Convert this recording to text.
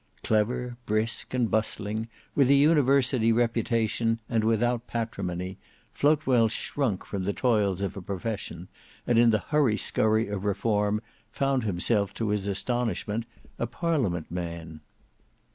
Clever, brisk, and bustling, with an university reputation and without patrimony, Floatwell shrunk from the toils of a profession, and in the hurry skurry of reform found himself to his astonishment a parliament man.